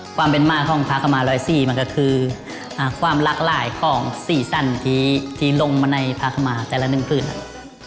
ความเป็นมากของภาคมรอยศรีมันก็คือความลักหลายของ๔สั้นที่ลงมาในภาคมรแต่ละหนึ่งพื้น